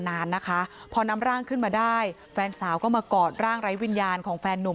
นานนะคะพอนำร่างขึ้นมาได้แฟนสาวก็มากอดร่างไร้วิญญาณของแฟนนุ่ม